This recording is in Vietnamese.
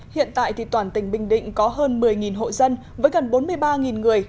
hiện tại thì toàn tỉnh bình định có hơn một mươi hộ dân với gần bốn mươi ba người